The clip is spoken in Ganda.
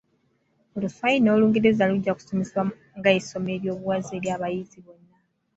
Oluswayiri n’Olungereza lujja ku somesebwa nga essomo eryo buwaze eri abayizi bonna.